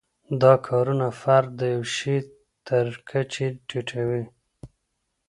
دا کارونه فرد د یوه شي تر کچې ټیټوي.